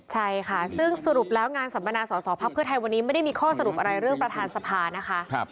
เฉยคะซึ่งสรุปแล้วงานสัมปนาสอ่ภาพเพื่อไทยไม่ได้มีข้อสรุปอะไรเรื่องประทานสภานะคะ